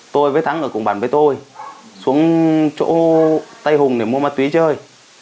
tôi với thắng ở cùng bản với tôi xuống chỗ tây hùng để mua ma túy chơi